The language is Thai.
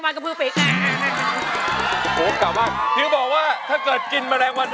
ร้องได้ให้ร้าน